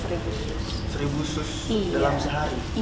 seribu sus dalam sehari